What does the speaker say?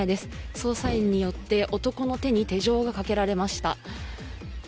捜査員によって、男の手に手錠がかけられました。